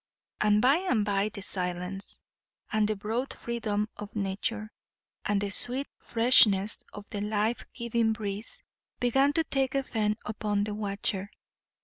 And by and by the silence, and the broad freedom of nature, and the sweet freshness of the life giving breeze, began to take effect upon the watcher.